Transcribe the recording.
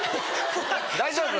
大丈夫？